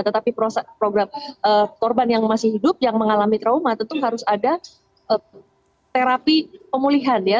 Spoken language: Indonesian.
tetapi program korban yang masih hidup yang mengalami trauma tentu harus ada terapi pemulihan ya